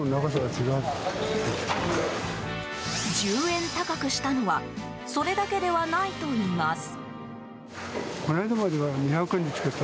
１０円高くしたのはそれだけではないといいます。